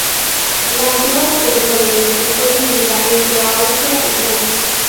La antigua República de Venecia fue dividida entre Austria y Francia.